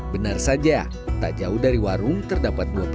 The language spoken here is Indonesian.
benar saja tak jauh dari warung terdapat menumbuk padi